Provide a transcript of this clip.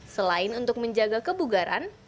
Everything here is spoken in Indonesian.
selain untuk menjaga kebugaran